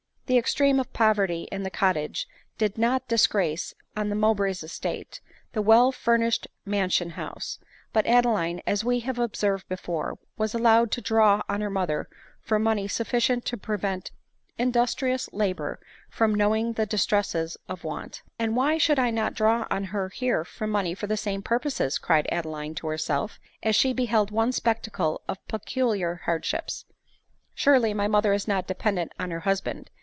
The extreme of poverty in the cottage, did not disgrace, on the Mowbray estate, the well furnish ed mansion house ; but Adeline, as we have observed before, was allowed to draw on her mother for money sufficient to prevent industrious labor from knowing the distresses of want. # 1 " And why should I not draw on her here for money for the same purposes ?" cried Adeline to herself, as she beheld one spectacle of peculiar hardships. " Surely my mother is not dependent on her husband